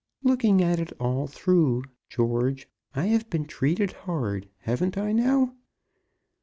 Looking at it all through, George, I have been treated hard; haven't I, now?"